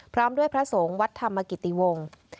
พร้อมด้วยพระสงฆ์วัดธรรมกิติวงศ์